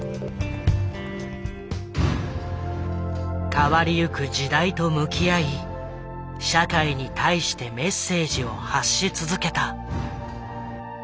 変わりゆく時代と向き合い社会に対してメッセージを発し続けた。